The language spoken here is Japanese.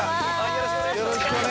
◆よろしくお願いします。